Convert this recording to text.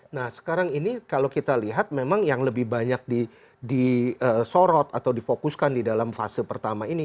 nah sekarang ini kalau kita lihat memang yang lebih banyak disorot atau difokuskan di dalam fase pertama ini